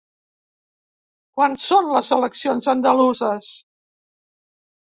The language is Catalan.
Quan són les eleccions andaluses?